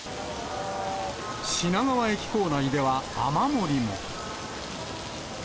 品川駅構内では雨漏りも。